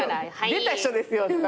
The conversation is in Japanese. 「出た人ですよ」とか。